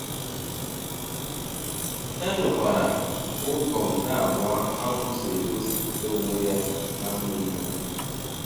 e nwekwara ụzọ nke abụọ agwụ si egosipụta onwe ya na ndụ mmadụ